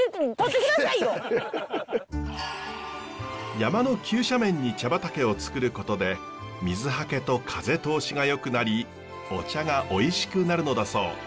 山の急斜面に茶畑をつくることで水はけと風通しがよくなりお茶がおいしくなるのだそう。